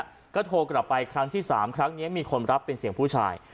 แล้วก็โทรกลับไปครั้งที่๓ครั้งนี้มีคนรับเป็นเสียงผู้ชาย